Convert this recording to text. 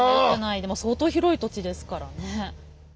でも相当広い土地ですからね。